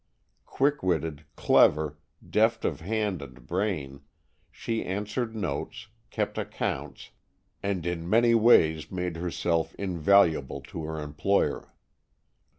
Quick witted, clever, deft of hand and brain, she answered notes, kept accounts, and in many ways made herself invaluable to her employer.